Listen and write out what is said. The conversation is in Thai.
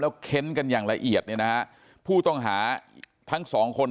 เค้นกันอย่างละเอียดเนี่ยนะฮะผู้ต้องหาทั้งสองคน